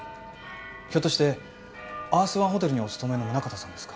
ひょっとしてアースワンホテルにお勤めの宗形さんですか？